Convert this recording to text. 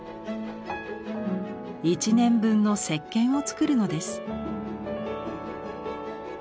１年分のせっけんを作るのです。